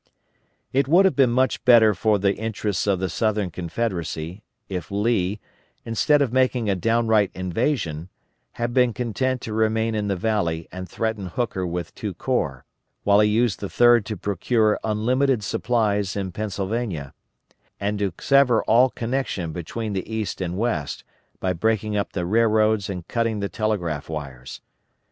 It would have been much better for the interests of the Southern Confederacy if Lee, instead of making a downright invasion, had been content to remain in the valley and threaten Hooker with two corps, while he used the third to procure unlimited supplies in Pennsylvania, and to sever all connection between the East and West, by breaking up the railroads and cutting the telegraph wires.